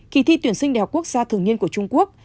kỳ thi tuyển sinh đại học quốc gia thường niên của trung quốc